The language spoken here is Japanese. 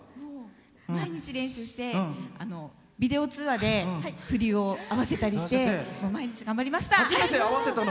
毎日練習してビデオ通話で振りを合わせたりして毎日、頑張りました。